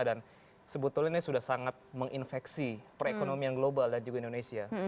dan sebetulnya ini sudah sangat menginfeksi perekonomian global dan juga indonesia